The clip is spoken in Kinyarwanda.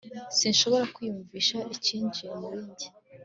sinshobora kwiyumvisha icyinjiye muri njye